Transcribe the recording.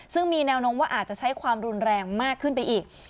ซึ่งมีแนวโน้มว่าอาจจะใช้ความรุนแรงมากขึ้นไปอีก